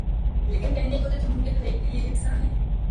لیکن کہنے کو تو جمہوریت ہر ایک کیلئے یکساں ہے۔